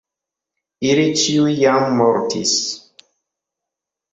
Ili ĉiuj jam mortis.